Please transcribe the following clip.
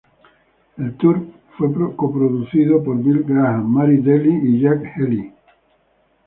El tour fue coproducido por Bill Graham, Mary Daly y Jack Healey.